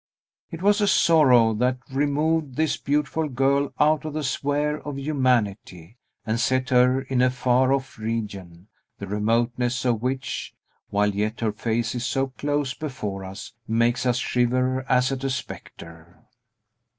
It was a sorrow that removed this beautiful girl out of the sphere of humanity, and set her in a far off region, the remoteness of which while yet her face is so close before us makes us shiver as at a spectre.